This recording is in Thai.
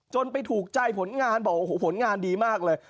ไปถูกใจผลงานบอกโอ้โหผลงานดีมากเลย